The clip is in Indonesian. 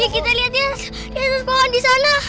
kita lihat dia terus pohon disana